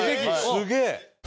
すげえ！